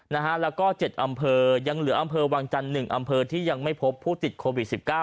แล้วก็๗อำเภอยังเหลืออำเภอวังจันทร์๑อำเภอที่ยังไม่พบผู้ติดโควิด๑๙